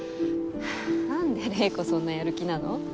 なんで玲子そんなやる気なの？